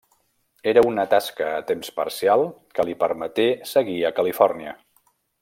Era una tasca a temps parcial que li permeté seguir a Califòrnia.